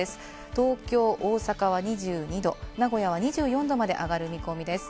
東京・大阪は２２度、名古屋は２４度まで上がる見込みです。